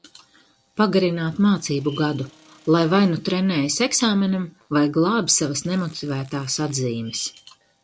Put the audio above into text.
Pagarināt mācību gadu, lai vai nu trenējas eksāmenam, vai glābj savas nemotivētās atzīmes.